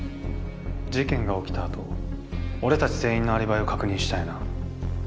事件が起きたあと俺たち全員のアリバイを確認したよな？